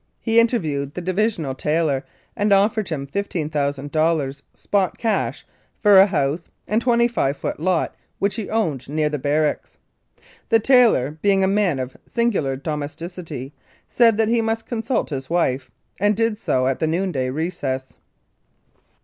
He interviewed the Divisional tailor, and offered him 15,000 dollars, spot cash, for a house and 25 foot lot which he owned near the barracks. The tailor, being a man of singular domesticity, said that he must consult his wife, and did so at the noon day recess.